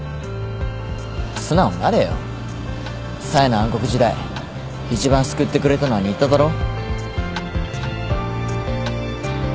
冴の暗黒時代一番救ってくれたのは新田だろ。